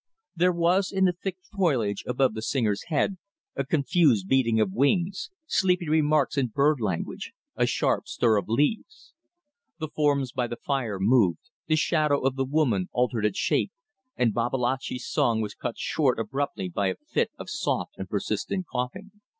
There was in the thick foliage above the singer's head a confused beating of wings, sleepy remarks in bird language, a sharp stir of leaves. The forms by the fire moved; the shadow of the woman altered its shape, and Babalatchi's song was cut short abruptly by a fit of soft and persistent coughing.